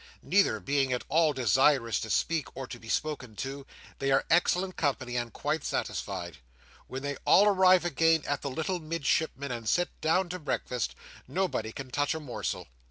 Neither being at all desirous to speak, or to be spoken to, they are excellent company, and quite satisfied. When they all arrive again at the little Midshipman, and sit down to breakfast, nobody can touch a morsel.